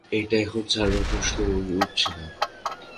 এটা এখন ছাড়ার প্রশ্নই উঠছে না!